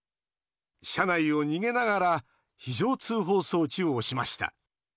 車内を逃げながら非常通報装置を押しました。